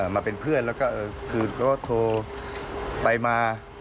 มาเป็นเพื่อนแล้วก็คือก็โทรไปมา